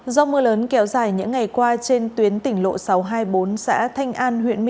do mưa lớn kéo dài những ngày qua trên tuyến tỉnh lộ sáu trăm hai mươi bốn xã thanh an